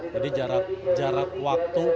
jadi jarak waktu